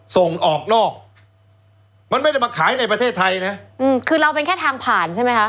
ส่งออกนอกมันไม่ได้มาขายในประเทศไทยนะอืมคือเราเป็นแค่ทางผ่านใช่ไหมคะ